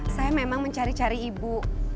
saya memang mencari cari ibu